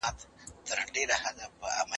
هغه تعريفونه چی پوهانو وړاندې کړي دي بېلابېل دي.